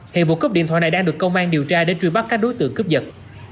hiện vụ cướp điện thoại này đang được công an điều tra để truy bắt các đối tượng cướp giật